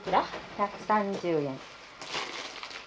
１３０円。